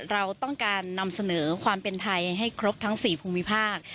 เราต้องการนำเสนอความเป็นไทยให้ครบทั้ง๔ภูมิภาค